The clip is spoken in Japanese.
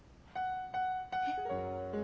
えっ？